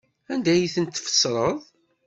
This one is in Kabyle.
Anda ay tent-tfesreḍ?